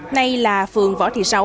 này là phường võ thị sáu